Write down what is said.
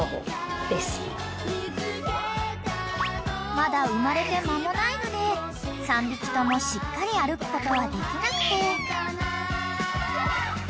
［まだ生まれて間もないので３匹ともしっかり歩くことはできなくて］